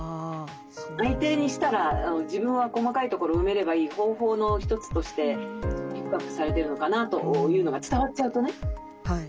相手にしたら自分は細かいところを埋めればいい方法の一つとしてピックアップされてるのかなというのが伝わっちゃうとね。